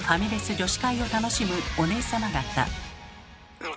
女子会を楽しむおねえ様方。